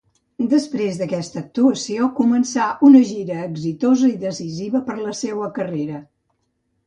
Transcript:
Després d'aquesta actuació, començà una gira exitosa i decisiva per a la seua carrera.